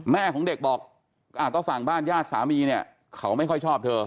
แม่ของเด็กบอกก็ฝั่งบ้านญาติสามีเนี่ยเขาไม่ค่อยชอบเธอ